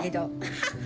ハハハハ！